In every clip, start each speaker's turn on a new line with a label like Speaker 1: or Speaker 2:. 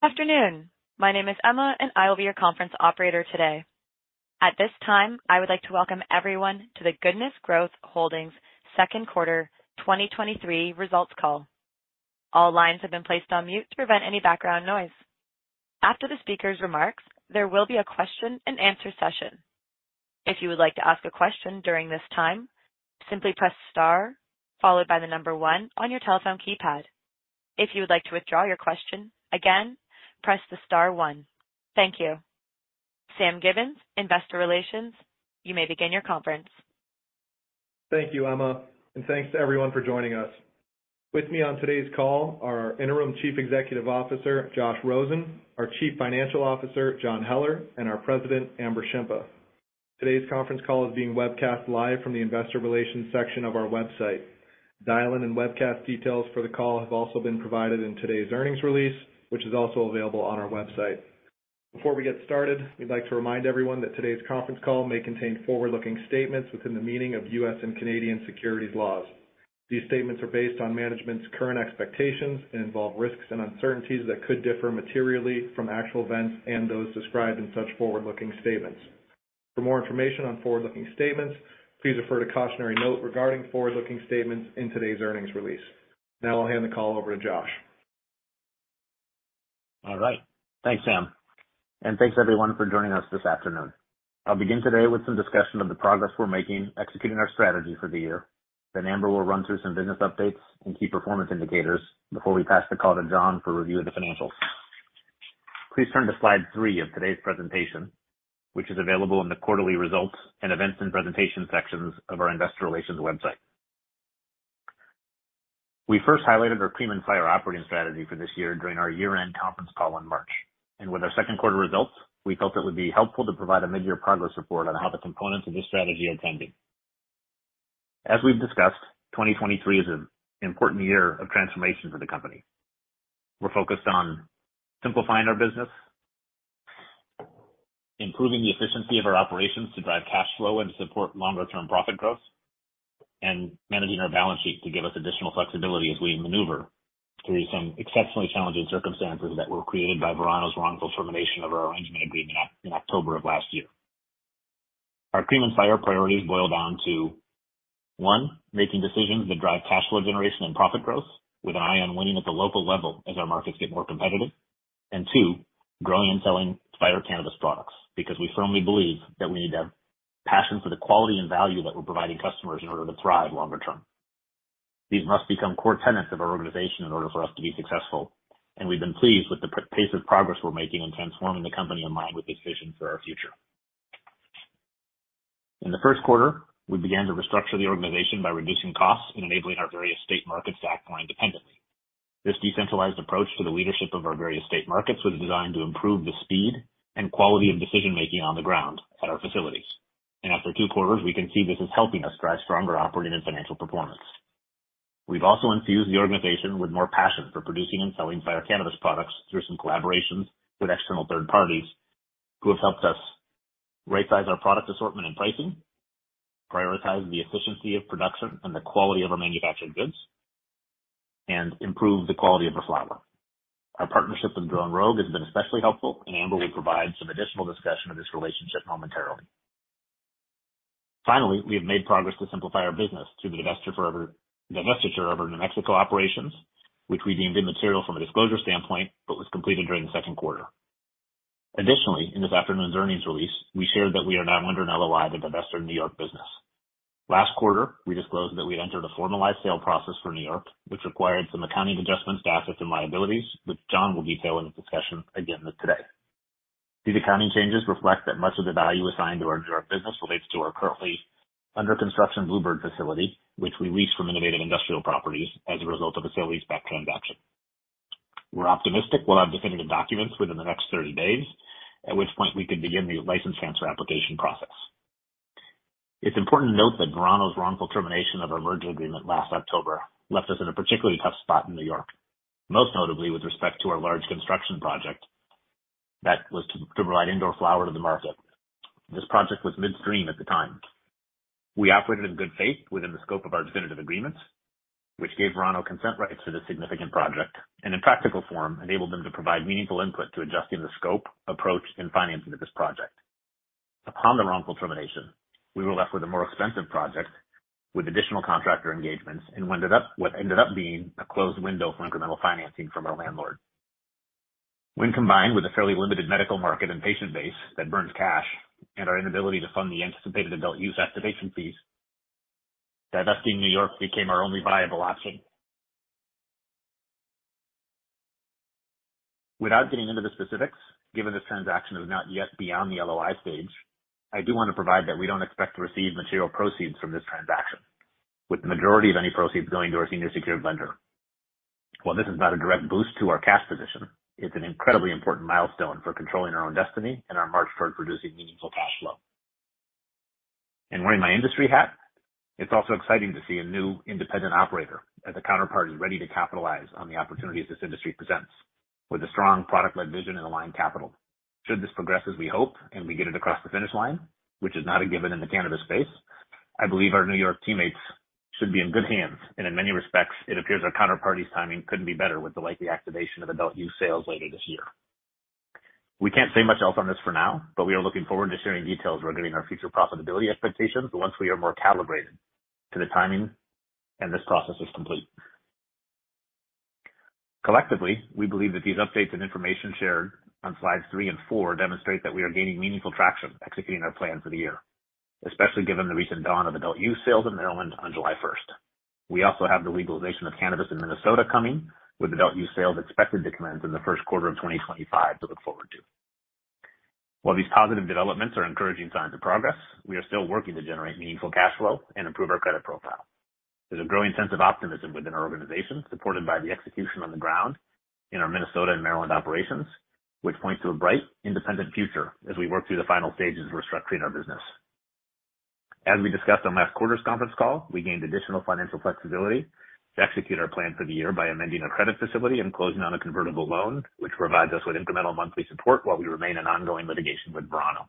Speaker 1: Afternoon. My name is Emma. I will be your conference operator today. At this time, I would like to welcome everyone to the Goodness Growth Holdings second quarter 2023 results call. All lines have been placed on mute to prevent any background noise. After the speaker's remarks, there will be a question and answer session. If you would like to ask a question during this time, simply press star, followed by one on your telephone keypad. If you would like to withdraw your question, again, press star one. Thank you. Sam Gibbons, Investor Relations, you may begin your conference.
Speaker 2: Thank you, Emma. Thanks to everyone for joining us. With me on today's call are our Interim Chief Executive Officer, Josh Rosen, our Chief Financial Officer, John Heller, and our President, Amber Shimpa. Today's conference call is being webcast live from the Investor Relations section of our website. Dial-in and webcast details for the call have also been provided in today's earnings release, which is also available on our website. Before we get started, we'd like to remind everyone that today's conference call may contain forward-looking statements within the meaning of US and Canadian securities laws. These statements are based on management's current expectations and involve risks and uncertainties that could differ materially from actual events and those described in such forward-looking statements. For more information on forward-looking statements, please refer to cautionary note regarding forward-looking statements in today's earnings release. I'll hand the call over to Josh.
Speaker 3: All right. Thanks, Sam, and thanks, everyone, for joining us this afternoon. I'll begin today with some discussion of the progress we're making, executing our strategy for the year. Amber will run through some business updates and key performance indicators before we pass the call to John for review of the financials. Please turn to slide three of today's presentation, which is available in the quarterly results and events and presentation sections of our Investor Relations website. We first highlighted our CREAM and Fire operating strategy for this year during our year-end conference call in March, and with our second quarter results, we felt it would be helpful to provide a midyear progress report on how the components of this strategy are tending. As we've discussed, 2023 is an important year of transformation for the company. We're focused on simplifying our business, improving the efficiency of our operations to drive cash flow and to support longer-term profit growth, and managing our balance sheet to give us additional flexibility as we maneuver through some exceptionally challenging circumstances that were created by Verano's wrongful termination of our Arrangement Agreement in October of last year. Our CREAM and Fire priorities boil down to, one, making decisions that drive cash flow generation and profit growth with an eye on winning at the local level as our markets get more competitive. Two, growing and selling fire cannabis products, because we firmly believe that we need to have passion for the quality and value that we're providing customers in order to thrive longer term. These must become core tenets of our organization in order for us to be successful. We've been pleased with the pace of progress we're making in transforming the company in line with this vision for our future. In the first quarter, we began to restructure the organization by reducing costs and enabling our various state markets to act more independently. This decentralized approach to the leadership of our various state markets was designed to improve the speed and quality of decision-making on the ground at our facilities. After two quarters, we can see this is helping us drive stronger operating and financial performance. We've also infused the organization with more passion for producing and selling fire cannabis products through some collaborations with external third parties, who have helped us right-size our product assortment and pricing, prioritize the efficiency of production and the quality of our manufactured goods, and improve the quality of our flower. Our partnership with Grown Rogue has been especially helpful. Amber will provide some additional discussion of this relationship momentarily. We have made progress to simplify our business through the divestiture of our New Mexico operations, which we deemed immaterial from a disclosure standpoint, but was completed during the second quarter. In this afternoon's earnings release, we shared that we are now under an LOI to divest our New York business. Last quarter, we disclosed that we had entered a formalized sale process for New York, which required some accounting adjustments to assets and liabilities, which John will detail in the discussion again today. These accounting changes reflect that much of the value assigned to our New York business relates to our currently under construction Bluebird facility, which we lease from Innovative Industrial Properties as a result of a sale leaseback transaction. We're optimistic we'll have definitive documents within the next 30 days, at which point we can begin the license transfer application process. It's important to note that Verano's wrongful termination of our merger agreement last October left us in a particularly tough spot in New York, most notably with respect to our large construction project that was to provide indoor flower to the market. This project was midstream at the time. We operated in good faith within the scope of our definitive agreements, which gave Verano consent rights to this significant project, and in practical form, enabled them to provide meaningful input to adjusting the scope, approach, and financing of this project. Upon the wrongful termination, we were left with a more expensive project, with additional contractor engagements, and what ended up being a closed window for incremental financing from our landlord. When combined with a fairly limited medical market and patient base that burns cash and our inability to fund the anticipated adult use activation fees, divesting New York became our only viable option. Without getting into the specifics, given this transaction is not yet beyond the LOI stage, I do want to provide that we don't expect to receive material proceeds from this transaction, with the majority of any proceeds going to our senior secured lender. While this is not a direct boost to our cash position, it's an incredibly important milestone for controlling our own destiny and our march toward producing meaningful cash flow. Wearing my industry hat, it's also exciting to see a new independent operator as a counterpart, is ready to capitalize on the opportunities this industry presents, with a strong product-led vision and aligned capital. Should this progress as we hope and we get it across the finish line, which is not a given in the cannabis space? I believe our New York teammates should be in good hands, and in many respects, it appears our counterparty's timing couldn't be better with the likely activation of adult use sales later this year. We can't say much else on this for now, we are looking forward to sharing details regarding our future profitability expectations once we are more calibrated to the timing and this process is complete. Collectively, we believe that these updates and information shared on Slides 3 and 4 demonstrate that we are gaining meaningful traction executing our plan for the year, especially given the recent dawn of adult-use sales in Maryland on July 1st. We also have the legalization of cannabis in Minnesota coming, with adult-use sales expected to commence in the 1st quarter of 2025 to look forward to. While these positive developments are encouraging signs of progress, we are still working to generate meaningful cash flow and improve our credit profile. There's a growing sense of optimism within our organization, supported by the execution on the ground in our Minnesota and Maryland operations, which points to a bright, independent future as we work through the final stages of restructuring our business. As we discussed on last quarter's conference call, we gained additional financial flexibility to execute our plan for the year by amending our credit facility and closing on a convertible loan, which provides us with incremental monthly support while we remain in ongoing litigation with Verano.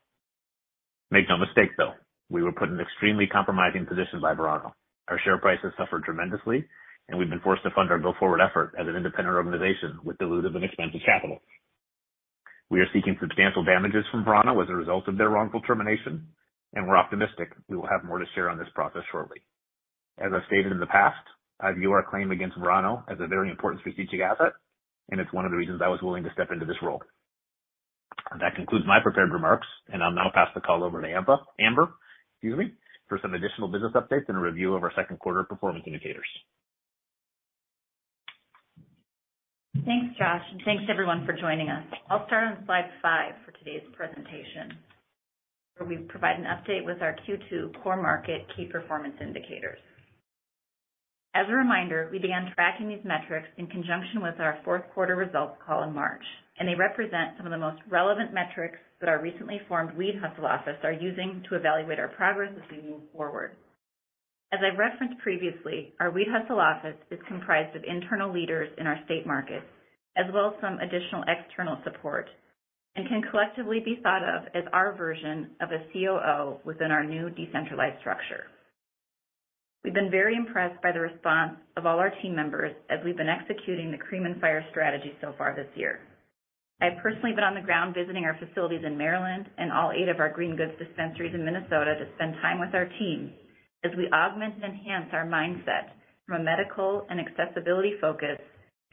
Speaker 3: Make no mistake, though, we were put in an extremely compromising position by Verano. Our share price has suffered tremendously, and we've been forced to fund our go-forward effort as an independent organization with diluted and expensive capital. We are seeking substantial damages from Verano as a result of their wrongful termination, and we're optimistic we will have more to share on this process shortly. As I've stated in the past, I view our claim against Verano as a very important strategic asset, and it's one of the reasons I was willing to step into this role. That concludes my prepared remarks, and I'll now pass the call over to Amba. Amber, excuse me, for some additional business updates and a review of our second quarter performance indicators.
Speaker 4: Thanks, Josh. Thanks, everyone, for joining us. I'll start on slide five for today's presentation, where we provide an update with our Q2 core market key performance indicators. As a reminder, we began tracking these metrics in conjunction with our fourth-quarter results call in March. They represent some of the most relevant metrics that our recently formed Weed Hustle Office are using to evaluate our progress as we move forward. As I've referenced previously, our Weed Hustle Office is comprised of internal leaders in our state markets, as well as some additional external support, and can collectively be thought of as our version of a COO within our new decentralized structure. We've been very impressed by the response of all our team members as we've been executing the CREAM and Fire strategy so far this year. I've personally been on the ground visiting our facilities in Maryland and all eight of our Green Goods dispensaries in Minnesota to spend time with our team as we augment and enhance our mindset from a medical and accessibility focus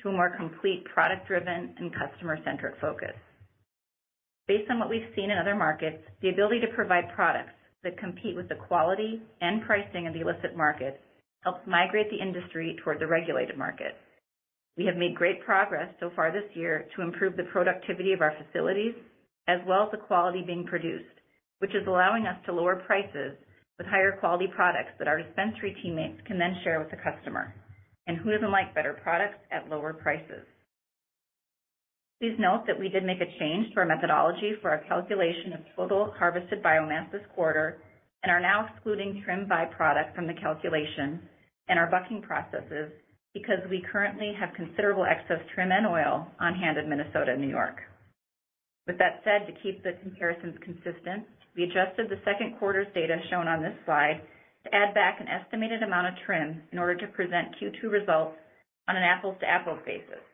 Speaker 4: to a more complete product-driven and customer-centric focus. Based on what we've seen in other markets, the ability to provide products that compete with the quality and pricing of the illicit market helps migrate the industry toward the regulated market. We have made great progress so far this year to improve the productivity of our facilities, as well as the quality being produced, which is allowing us to lower prices with higher quality products that our dispensary teammates can then share with the customer. Who doesn't like better products at lower prices? Please note that we did make a change to our methodology for our calculation of total harvested biomass this quarter, and are now excluding trim byproducts from the calculation and our bucking processes, because we currently have considerable excess trim and oil on hand in Minnesota and New York. With that said, to keep the comparisons consistent, we adjusted the second quarter's data shown on this slide to add back an estimated amount of trim in order to present Q2 results on an apples-to-apples basis.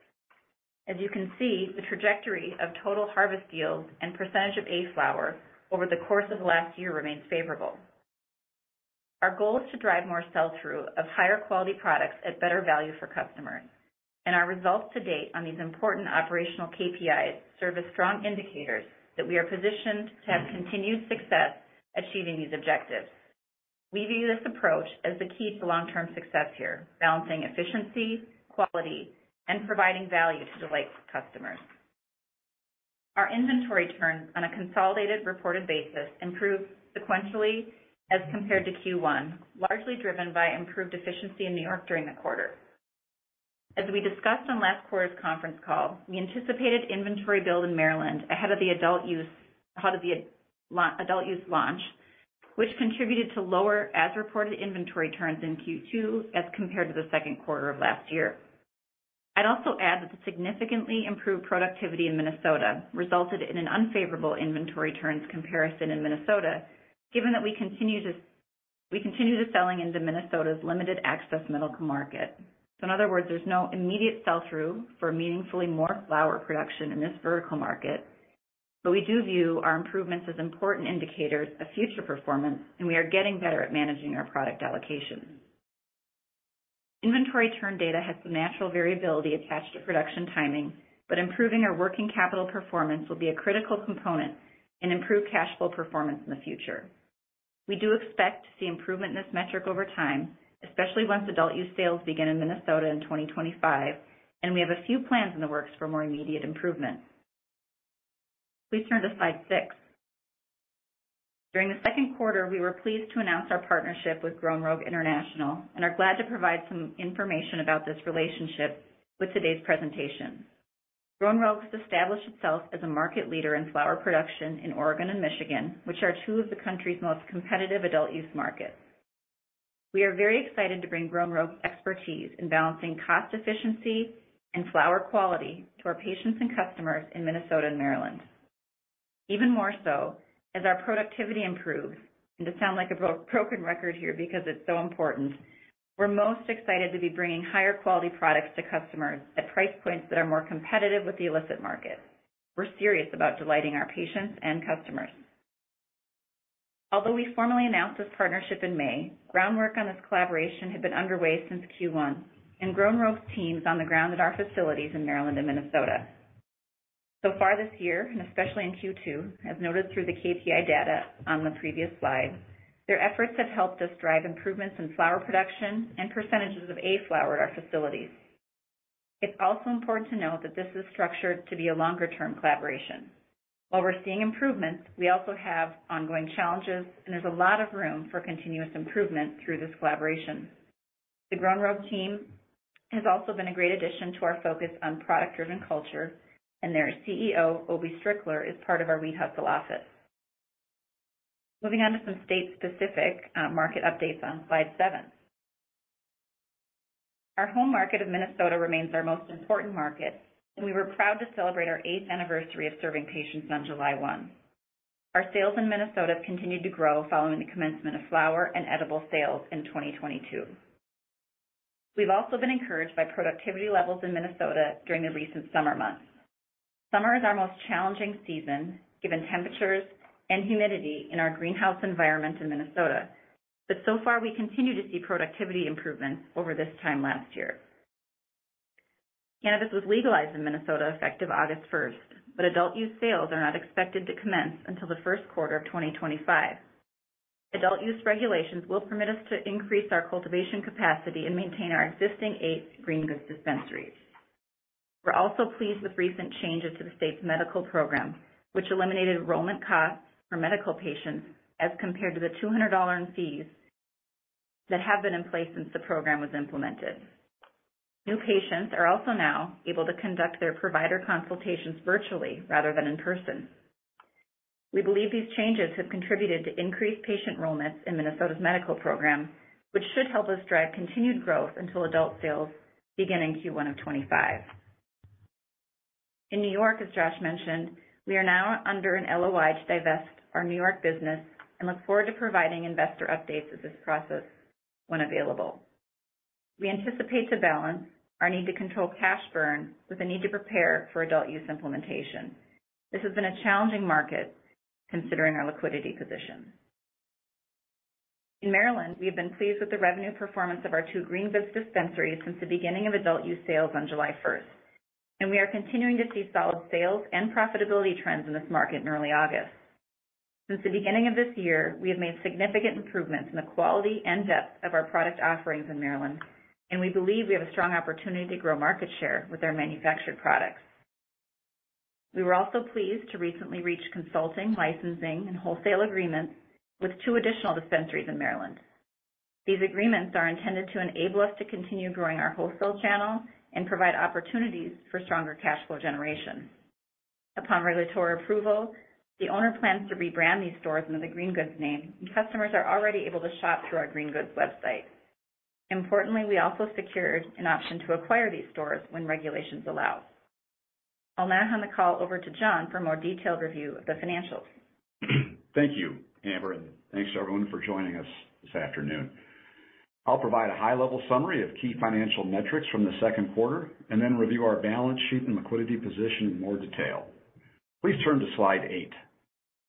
Speaker 4: As you can see, the trajectory of total harvest yields and % of A flower over the course of the last year remains favorable. Our goal is to drive more sell-through of higher quality products at better value for customers, and our results to date on these important operational KPIs serve as strong indicators that we are positioned to have continued success achieving these objectives. We view this approach as the key to long-term success here, balancing efficiency, quality, and providing value to delight customers. Our inventory turns on a consolidated reported basis improved sequentially as compared to Q1, largely driven by improved efficiency in New York during the quarter. As we discussed on last quarter's conference call, we anticipated inventory build in Maryland ahead of the adult use launch, which contributed to lower as-reported inventory turns in Q2 as compared to the second quarter of last year. I'd also add that the significantly improved productivity in Minnesota resulted in an unfavorable inventory turns comparison in Minnesota, given that we continue to selling into Minnesota's limited access medical market. In other words, there's no immediate sell-through for meaningfully more flower production in this vertical market. We do view our improvements as important indicators of future performance, and we are getting better at managing our product allocations. Inventory turn data has some natural variability attached to production timing, but improving our working capital performance will be a critical component in improved cash flow performance in the future. We do expect to see improvement in this metric over time, especially once adult use sales begin in Minnesota in 2025, and we have a few plans in the works for more immediate improvement. Please turn to slide six. During the second quarter, we were pleased to announce our partnership with Grown Rogue International and are glad to provide some information about this relationship with today's presentation. Grown Rogue has established itself as a market leader in flower production in Oregon and Michigan, which are two of the country's most competitive adult use markets. We are very excited to bring Grown Rogue's expertise in balancing cost efficiency and flower quality to our patients and customers in Minnesota and Maryland. Even more so, as our productivity improves, and to sound like a bro-broken record here, because it's so important, we're most excited to be bringing higher quality products to customers at price points that are more competitive with the illicit market. We're serious about delighting our patients and customers. Although we formally announced this partnership in May, groundwork on this collaboration had been underway since Q1, and Grown Rogue's team is on the ground at our facilities in Maryland and Minnesota. So far this year, and especially in Q2, as noted through the KPI data on the previous slide, their efforts have helped us drive improvements in flower production and % of A flower at our facilities. It's also important to note that this is structured to be a longer-term collaboration. While we're seeing improvements, we also have ongoing challenges, and there's a lot of room for continuous improvement through this collaboration. The Grown Rogue team has also been a great addition to our focus on product-driven culture, and their CEO, Obie Strickler, is part of our Weed Hustle Office. Moving on to some state-specific market updates on slide seven. Our home market of Minnesota remains our most important market, and we were proud to celebrate our eighth anniversary of serving patients on July one. Our sales in Minnesota have continued to grow following the commencement of flower and edible sales in 2022. We've also been encouraged by productivity levels in Minnesota during the recent summer months. Summer is our most challenging season, given temperatures and humidity in our greenhouse environment in Minnesota, but so far, we continue to see productivity improvements over this time last year. Cannabis was legalized in Minnesota effective August 1st, but adult use sales are not expected to commence until the first quarter of 2025. Adult use regulations will permit us to increase our cultivation capacity and maintain our existing eight Green Goods dispensaries. We're also pleased with recent changes to the state's medical program, which eliminated enrollment costs for medical patients, as compared to the $200 in fees that have been in place since the program was implemented. New patients are also now able to conduct their provider consultations virtually rather than in person. We believe these changes have contributed to increased patient enrollments in Minnesota's medical program, which should help us drive continued growth until adult sales begin in Q1 of 2025. In New York, as Josh mentioned, we are now under an LOI to divest our New York business and look forward to providing investor updates of this process when available. We anticipate to balance our need to control cash burn with the need to prepare for adult use implementation. This has been a challenging market considering our liquidity position. In Maryland, we have been pleased with the revenue performance of our two Green Goods dispensaries since the beginning of adult use sales on July first, and we are continuing to see solid sales and profitability trends in this market in early August. Since the beginning of this year, we have made significant improvements in the quality and depth of our product offerings in Maryland, and we believe we have a strong opportunity to grow market share with our manufactured products. We were also pleased to recently reach consulting, licensing, and wholesale agreements with two additional dispensaries in Maryland. These agreements are intended to enable us to continue growing our wholesale channel and provide opportunities for stronger cash flow generation. Upon regulatory approval, the owner plans to rebrand these stores under the Green Goods name, and customers are already able to shop through our Green Goods website. Importantly, we also secured an option to acquire these stores when regulations allow. I'll now hand the call over to John for a more detailed review of the financials.
Speaker 5: Thank you, Amber, and thanks to everyone for joining us this afternoon. I'll provide a high-level summary of key financial metrics from the second quarter and then review our balance sheet and liquidity position in more detail. Please turn to slide eight.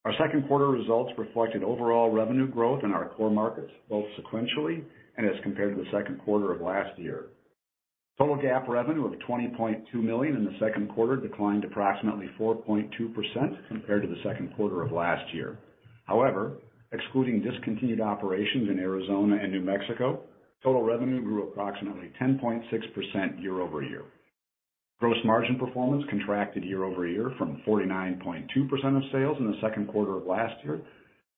Speaker 5: Our second quarter results reflected overall revenue growth in our core markets, both sequentially and as compared to the second quarter of last year. Total GAAP revenue of $20.2 million in the second quarter declined approximately 4.2% compared to the second quarter of last year. However, excluding discontinued operations in Arizona and New Mexico, total revenue grew approximately 10.6% year-over-year. Gross margin performance contracted year-over-year from 49.2% of sales in the second quarter of last year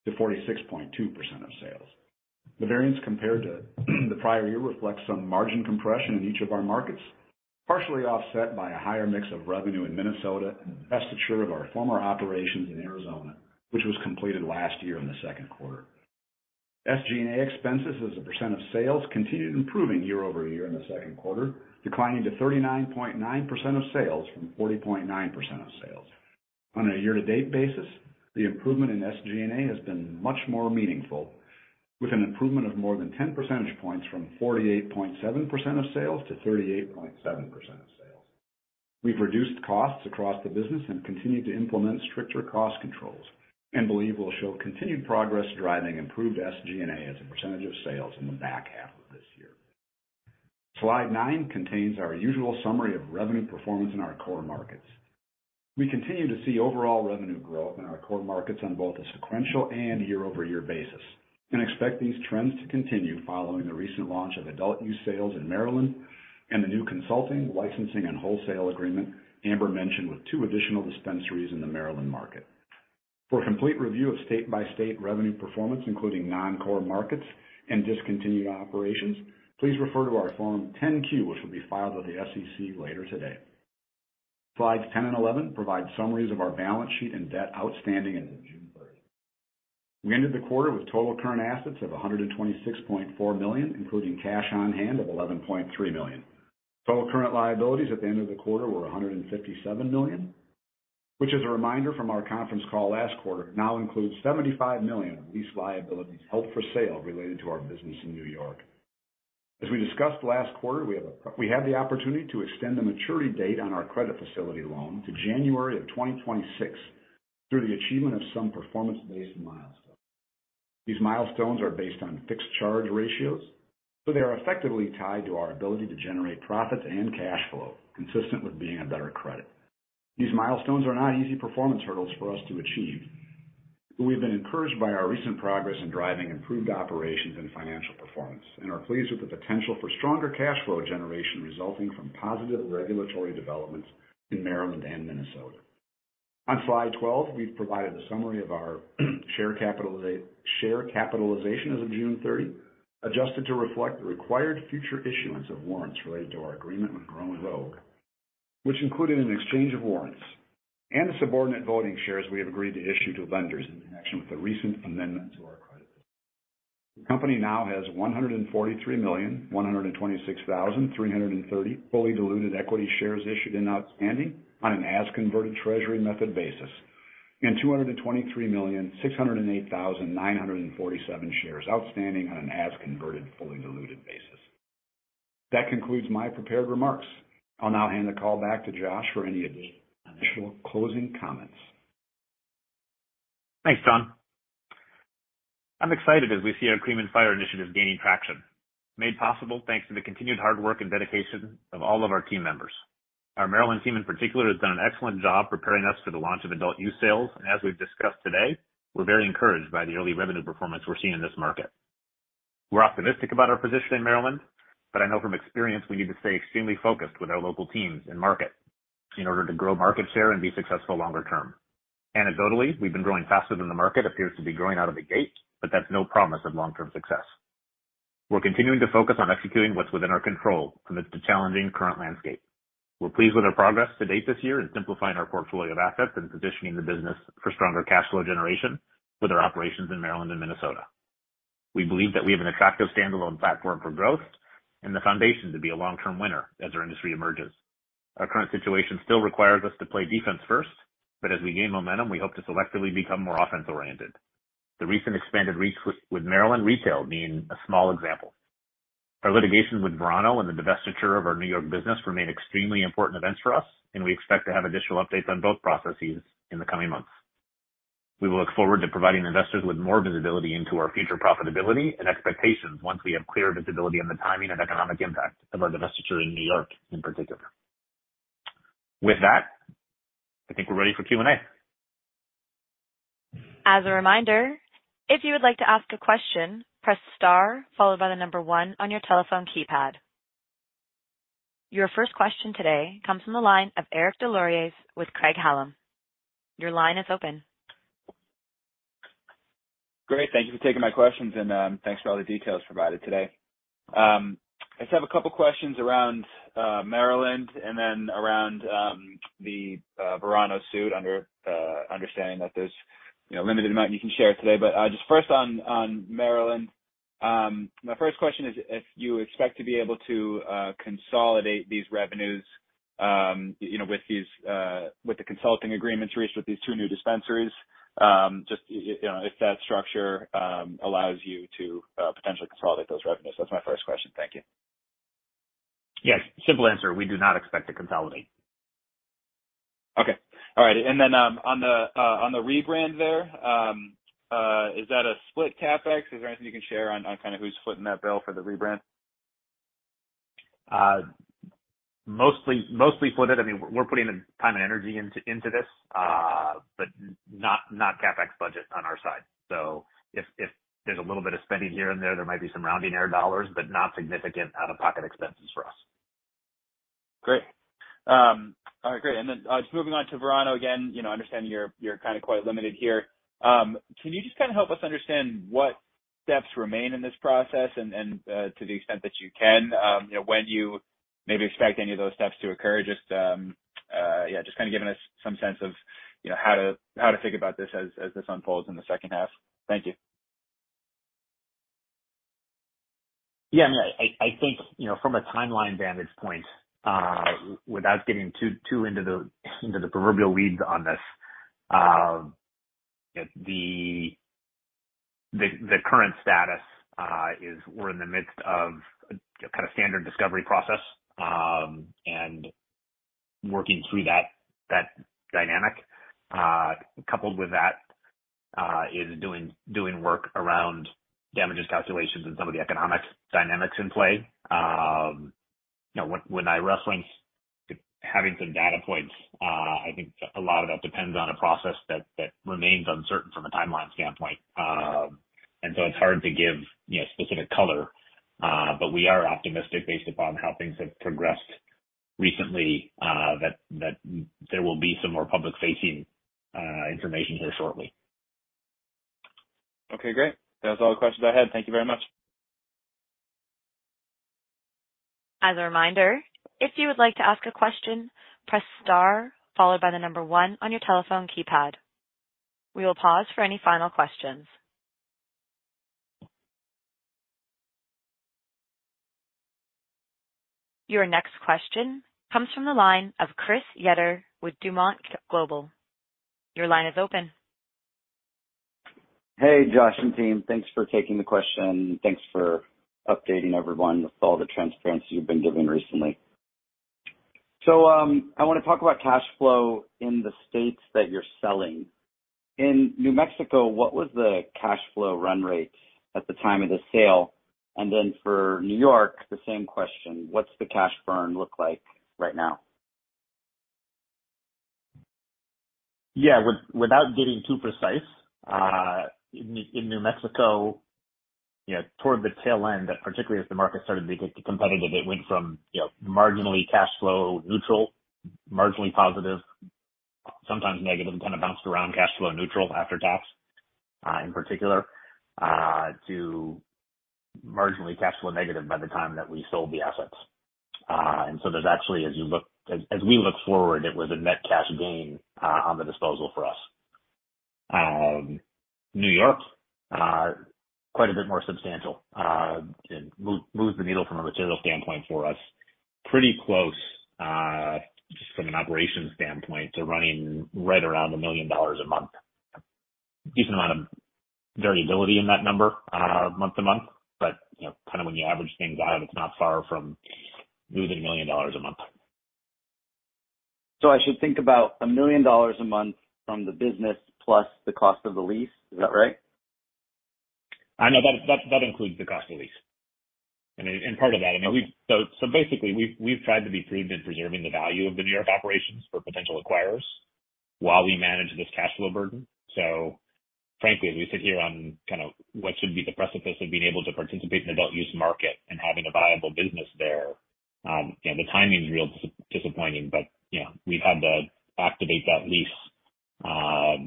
Speaker 5: to 46.2% of sales. The variance compared to the prior year reflects some margin compression in each of our markets, partially offset by a higher mix of revenue in Minnesota and divestiture of our former operations in Arizona, which was completed last year in the second quarter. SG&A expenses as a % of sales continued improving year-over-year in the second quarter, declining to 39.9% of sales from 40.9% of sales. On a year-to-date basis, the improvement in SG&A has been much more meaningful, with an improvement of more than 10 percentage points from 48.7% of sales to 38.7% of sales. We've reduced costs across the business and continued to implement stricter cost controls and believe we'll show continued progress driving improved SG&A as a % of sales in the back half of this year. Slide nine contains our usual summary of revenue performance in our core markets. We continue to see overall revenue growth in our core markets on both a sequential and year-over-year basis, and expect these trends to continue following the recent launch of adult-use sales in Maryland and the new consulting, licensing, and wholesale agreement Amber mentioned with two additional dispensaries in the Maryland market. For a complete review of state-by-state revenue performance, including non-core markets and discontinued operations, please refer to our Form 10-Q, which will be filed with the SEC later today. Slides 10 and 11 provide summaries of our balance sheet and debt outstanding, and in June, we ended the quarter with total current assets of $126.4 million, including cash on hand of $11.3 million. Total current liabilities at the end of the quarter were $157 million, which, as a reminder from our conference call last quarter, now includes $75 million lease liabilities held for sale related to our business in New York. As we discussed last quarter, we had the opportunity to extend the maturity date on our credit facility loan to January of 2026 through the achievement of some performance-based milestones. These milestones are based on fixed charge ratios, so they are effectively tied to our ability to generate profits and cash flow, consistent with being a better credit. These milestones are not easy performance hurdles for us to achieve, but we've been encouraged by our recent progress in driving improved operations and financial performance, and are pleased with the potential for stronger cash flow generation resulting from positive regulatory developments in Maryland and Minnesota. On slide 12, we've provided a summary of our share capitalization as of June 30, adjusted to reflect the required future issuance of warrants related to our agreement with Cronos Group, which included an exchange of warrants and the Subordinate Voting Shares we have agreed to issue to vendors in connection with the recent amendment to our credit. The company now has 143,126,330 fully diluted equity shares issued and outstanding on an as-converted treasury method basis, and 223,608,947 shares outstanding on an as-converted, fully diluted basis. That concludes my prepared remarks. I'll now hand the call back to Josh for any additional closing comments.
Speaker 3: Thanks, John. I'm excited as we see our CREAM and Fire initiatives gaining traction, made possible thanks to the continued hard work and dedication of all of our team members. Our Maryland team, in particular, has done an excellent job preparing us for the launch of adult use sales. As we've discussed today, we're very encouraged by the early revenue performance we're seeing in this market. We're optimistic about our position in Maryland. I know from experience we need to stay extremely focused with our local teams and market in order to grow market share and be successful longer term. Anecdotally, we've been growing faster than the market appears to be growing out of the gate. That's no promise of long-term success. We're continuing to focus on executing what's within our control amidst the challenging current landscape. We're pleased with our progress to date this year in simplifying our portfolio of assets and positioning the business for stronger cash flow generation with our operations in Maryland and Minnesota. We believe that we have an attractive standalone platform for growth and the foundation to be a long-term winner as our industry emerges. Our current situation still requires us to play defense first, but as we gain momentum, we hope to selectively become more offense-oriented. The recent expanded reach with Maryland retail being a small example. Our litigations with Verano and the divestiture of our New York business remain extremely important events for us, and we expect to have additional updates on both processes in the coming months. We will look forward to providing investors with more visibility into our future profitability and expectations once we have clear visibility on the timing and economic impact of our divestiture in New York, in particular. With that, I think we're ready for Q&A.
Speaker 1: As a reminder, if you would like to ask a question, press star followed by 1 on your telephone keypad. Your first question today comes from the line of Eric Des Lauriers with Your line is open.
Speaker 6: Great. Thank you for taking my questions, and thanks for all the details provided today. I just have a couple questions around Maryland and then around the Verano suit, understanding that there's, you know, a limited amount you can share today. Just first on, on Maryland, my first question is if you expect to be able to consolidate these revenues, you know, with these with the consulting agreements reached with these two new dispensaries, just, you know, if that structure allows you to potentially consolidate those revenues. That's my first question. Thank you.
Speaker 3: Yes, simple answer, we do not expect to consolidate.
Speaker 6: Okay. All right, then, on the, on the rebrand there, is that a split CapEx? Is there anything you can share on, on kind of who's footing that bill for the rebrand?
Speaker 3: Mostly, mostly footed. I mean, we're putting the time and energy into, into this, but not, not CapEx budget on our side. If, if there's a little bit of spending here and there, there might be some rounding error dollars, but not significant out-of-pocket expenses for us.
Speaker 6: Great. All right, great. Then, just moving on to Verano again, you know, understanding you're, you're kind of quite limited here. Can you just kind of help us understand what steps remain in this process and, to the extent that you can, you know, when you maybe expect any of those steps to occur? Just, yeah, just kind of giving us some sense of, you know, how to, how to think about this as, as this unfolds in the second half. Thank you.
Speaker 3: Yeah, I mean, I, I think, you know, from a timeline vantage point, without getting too, too into the, into the proverbial weeds on this, the, the, the current status is we're in the midst of a kind of standard discovery process and working through that, that dynamic. Coupled with that is doing, doing work around damages calculations and some of the economic dynamics in play. You know, when, when I wrestling, having some data points, I think a lot of that depends on a process that, that remains uncertain from a timeline standpoint. It's hard to give, you know, specific color, but we are optimistic based upon how things have progressed recently, that, that there will be some more public-facing information here shortly.
Speaker 6: Okay, great. That's all the questions I had. Thank you very much.
Speaker 1: As a reminder, if you would like to ask a question, press star followed by one on your telephone keypad. We will pause for any final questions. Your next question comes from the line of Chris Yetter with Dumont Global. Your line is open.
Speaker 7: Hey, Josh and team, thanks for taking the question. Thanks for updating everyone with all the transparency you've been giving recently. I wanna talk about cash flow in the states that you're selling. In New Mexico, what was the cash flow run rate at the time of the sale? For New York, the same question: What's the cash burn look like right now?
Speaker 3: Yeah. Without getting too precise, in New Mexico, you know, toward the tail end, particularly as the market started to get competitive, it went from, you know, marginally cash flow neutral, marginally positive, sometimes negative, and kind of bounced around cash flow neutral after tax, in particular, to marginally cash flow negative by the time that we sold the assets. So there's actually, as we look forward, it was a net cash gain on the disposal for us. New York, quite a bit more substantial, and moved the needle from a material standpoint for us. Pretty close, just from an operations standpoint, to running right around $1 million a month. Decent amount of variability in that number, month to month, but, you know, kind of when you average things out, it's not far from moving $1 million a month.
Speaker 7: I should think about $1 million a month from the business plus the cost of the lease. Is that right?
Speaker 3: No, that includes the cost of the lease. Part of that, you know, so basically, we've tried to be prudent, preserving the value of the New York operations for potential acquirers while we manage this cash flow burden. Frankly, as we sit here on kind of what should be the precipice of being able to participate in adult use market and having a viable business there, you know, the timing's real disappointing. You know, we've had to activate that lease,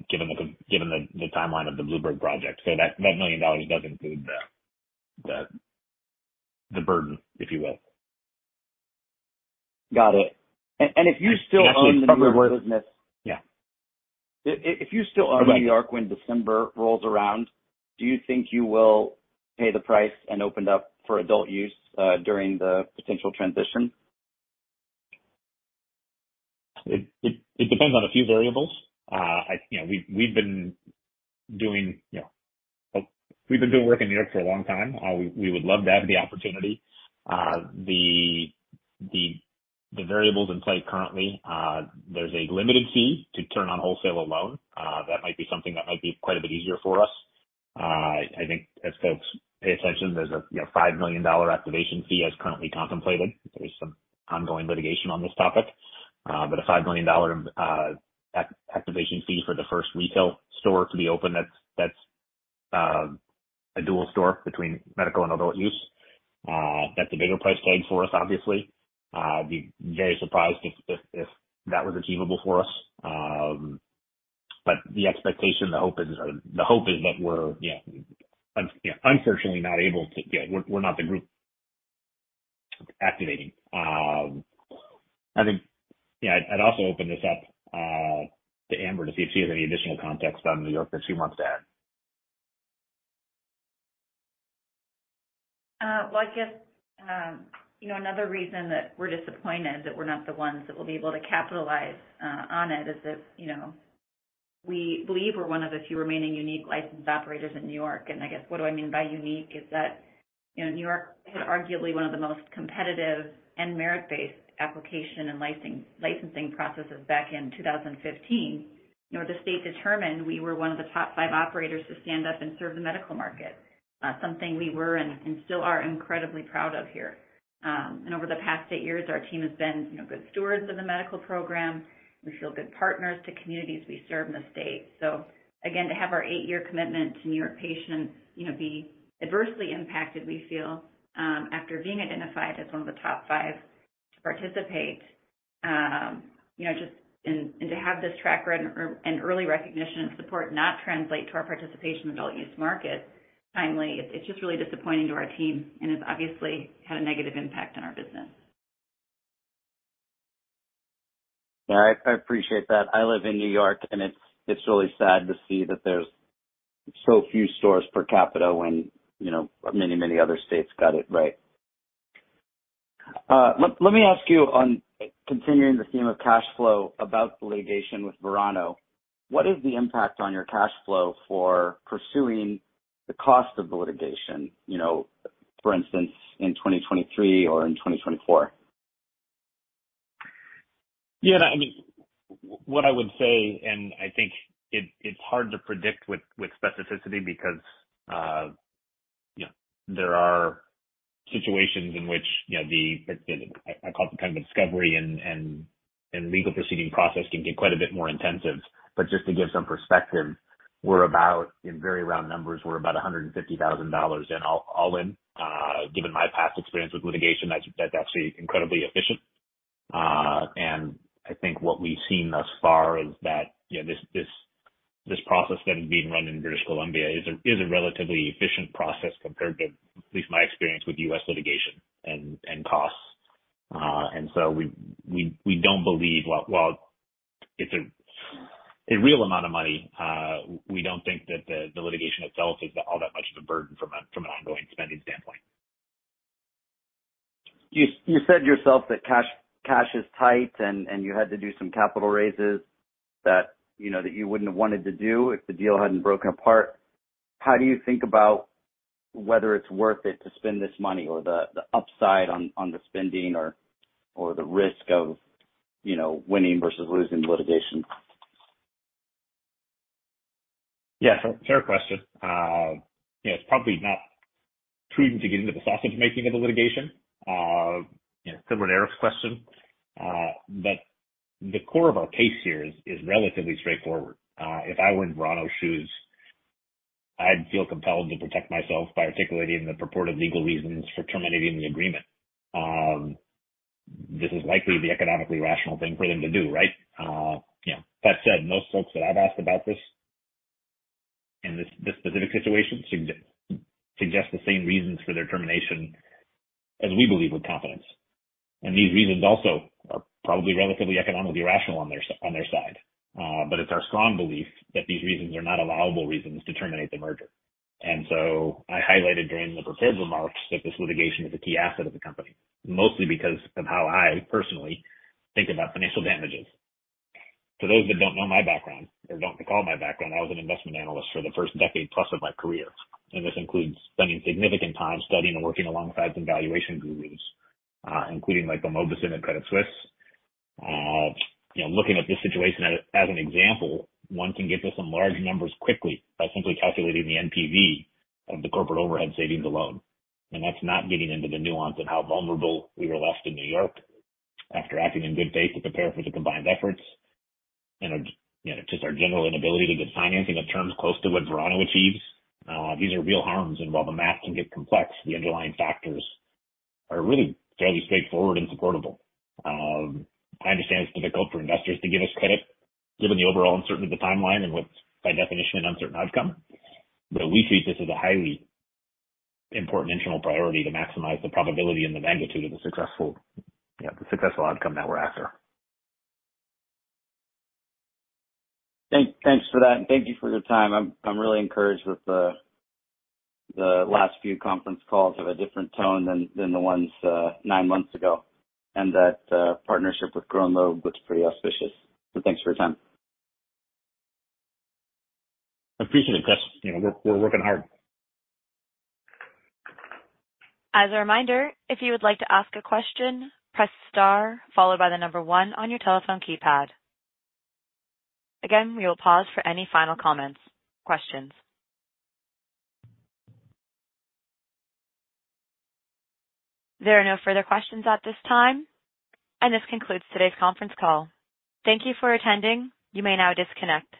Speaker 3: given the timeline of the Bluebird project. That $1 million does include the burden, if you will.
Speaker 7: Got it. if you still own the New York business
Speaker 3: Yeah.
Speaker 7: If you still own New York when December rolls around, do you think you will pay the price and open up for adult use during the potential transition?
Speaker 3: It depends on a few variables. You know, we've, we've been doing, you know, we've been doing work in New York for a long time. We, we would love to have the opportunity. The, the, the variables in play currently, there's a limited key to turn on wholesale alone. That might be something that might be quite a bit easier for us. I think as folks pay attention, there's a, you know, $5 million activation fee, as currently contemplated. There's some ongoing litigation on this topic. But a $5 million activation fee for the first retail store to be open, that's, that's, a dual store between medical and adult use. That's a bigger price tag for us, obviously. I'd be very surprised if that was achievable for us. The expectation, the hope is, the hope is that we're, you know, un, you know, unfortunately not able to. You know, we're, we're not the group activating. I think, you know, I'd also open this up to Amber to see if she has any additional context on New York that she wants to add.
Speaker 4: Well, I guess, you know, another reason that we're disappointed that we're not the ones that will be able to capitalize on it is that, you know, we believe we're one of the few remaining unique licensed operators in New York. I guess what do I mean by unique, is that, you know, New York had arguably one of the most competitive and merit-based application and licensing processes back in 2015, where the state determined we were one of the top five operators to stand up and serve the medical market. Something we were and, and still are incredibly proud of here. Over the past eight years, our team has been, you know, good stewards of the medical program. We feel good partners to communities we serve in the state. Again, to have our eight-year commitment to New York patients, you know, be adversely impacted, we feel, after being identified as one of the top five to participate, you know, just, and, and to have this track record and, and early recognition and support not translate to our participation in adult-use market timely, it's, it's just really disappointing to our team and has obviously had a negative impact on our business.
Speaker 7: Yeah I appreciate that. I live in New York, and it's, it's really sad to see that there's so few stores per capita when, you know many other states got it right. Let me ask you on continuing the theme of cash flow, about the litigation with Verano. What is the impact on your cash flow for pursuing the cost of the litigation, you know, for instance, in 2023 or in 2024?
Speaker 3: Yeah, I mean, what I would say, and I think it, it's hard to predict with, with specificity because, you know, there are situations in which, you know, the, I call it kind of discovery and legal proceeding process can get quite a bit more intensive. Just to give some perspective, we're about, in very round numbers, we're about $150,000 in all in. Given my past experience with litigation, that's actually incredibly efficient. I think what we've seen thus far is that, you know, this process that is being run in British Columbia is a relatively efficient process compared to at least my experience with U.S. litigation and costs. We don't believe, while it's a real amount of money, we don't think that the litigation itself is all that much of a burden from an ongoing spending standpoint.
Speaker 7: You said yourself that cash is tight, and you had to do some capital raises that, you know, that you wouldn't have wanted to do if the deal hadn't broken apart. How do you think about whether it's worth it to spend this money or the, the upside on, on the spending or, or the risk of, you know, winning versus losing the litigation?
Speaker 3: Yeah, fair question. you know, it's probably not prudent to get into the sausage making of the litigation. you know, similar to Eric's question. The core of our case here is, is relatively straightforward. If I were in Verano's shoes, I'd feel compelled to protect myself by articulating the purported legal reasons for terminating the agreement. This is likely the economically rational thing for them to do, right? you know, that said, most folks that I've asked about this in this, this specific situation suggest the same reasons for their termination as we believe with confidence. These reasons also are probably relatively economically rational on their side. It's our strong belief that these reasons are not allowable reasons to terminate the merger. I highlighted during the prepared remarks that this litigation is a key asset of the company, mostly because of how I personally think about financial damages. For those that don't know my background or don't recall my background, I was an investment analyst for the first decade plus of my career, and this includes spending significant time studying and working alongside some valuation gurus, including Michael Mauboussin at Credit Suisse. You know, looking at this situation as, as an example, one can get to some large numbers quickly by simply calculating the NPV of the corporate overhead savings alone. That's not getting into the nuance of how vulnerable we were left in New York after acting in good faith to prepare for the combined efforts and, you know, just our general inability to get financing of terms close to what Verano achieves. These are real harms, and while the math can get complex, the underlying factors are really fairly straightforward and supportable. I understand it's difficult for investors to give us credit, given the overall uncertainty of the timeline and what's by definition, an uncertain outcome. We treat this as a highly important internal priority to maximize the probability and the magnitude of the successful, you know, the successful outcome that we're after.
Speaker 7: Thanks for that, and thank you for your time. I'm really encouraged with the last few conference calls of a different tone than the ones nine months ago, and that partnership with Cronos Group looks pretty auspicious. Thanks for your time.
Speaker 3: Appreciate it, Jess. You know, we're, we're working hard.
Speaker 1: As a reminder, if you would like to ask a question, press star followed by one on your telephone keypad. Again, we will pause for any final comments, questions. There are no further questions at this time, and this concludes today's conference call. Thank you for attending. You may now disconnect.